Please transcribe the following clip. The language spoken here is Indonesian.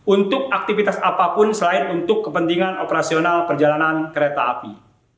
untuk aktivitas apapun selain untuk kepentingan operasional perjalanan kereta api